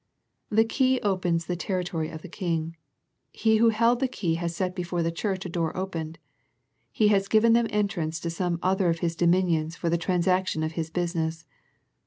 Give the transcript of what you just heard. The key opens the territory of the King. He Who held the key had set before, the church a door opened. He had given them entrance to some other of His dominions for the transac tion of His business.